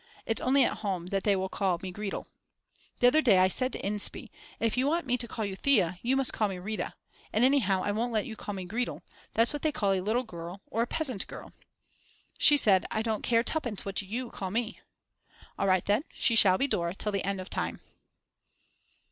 It's only at home that they will call me Gretl. The other day I said to Inspee: If you want me to call you Thea you must call me Rita; and anyhow I won't let you call me Gretl, that's what they call a little girl or a peasant girl. She said: I don't care tuppence what you call me. All right, then, she shall be Dora till the end of time.